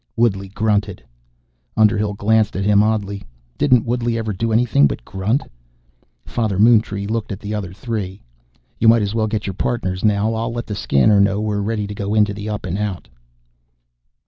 Woodley grunted. Underhill glanced at him oddly. Didn't Woodley ever do anything but grunt? Father Moontree looked at the other three. "You might as well get your Partners now. I'll let the Scanner know we're ready to go into the Up and Out."